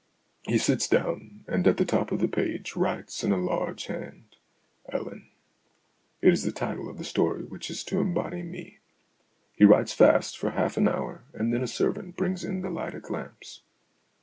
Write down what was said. He sits down, and at the top of the page writes in a large hand, " Ellen." It is the title of the story which is to embody me. He writes fast for half an hour, and then a servant brings in the lighted lamps.